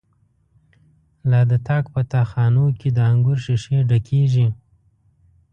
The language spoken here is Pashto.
لا د تاک په تا خانو کی، دانګور ښيښی ډکيږی